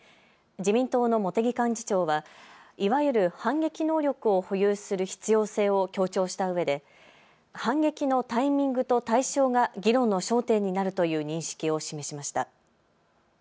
自民党の茂木幹事長はいわゆる反撃能力を保有する必要性を強調したうえで反撃のタイミングと対象が議論の焦点になるという認識を示しました。